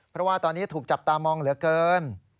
เพราะว่าตอนนี้ถูกจับตามองเหลือเกิน